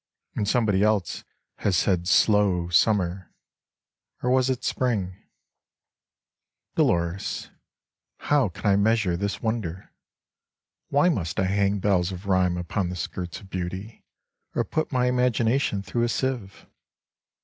And somebody else has said slow summer, Or was it Spring? 70 Dilemma Dolores, How can I measure this wonder? Why must I hang bells of rhyme upon the skirts of beauty, Or put my imagination through a sieve